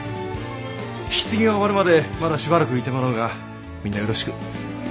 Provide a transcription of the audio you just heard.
引き継ぎが終わるまでまだしばらくいてもらうがみんなよろしく。